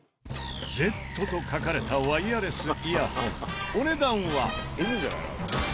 「Ｚ」と書かれたワイヤレスイヤホンお値段は。